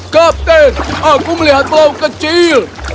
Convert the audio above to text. kapten aku melihat lauk kecil